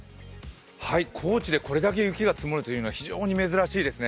高知でこれだけ雪が積もるというのは非常にめずらしいですね。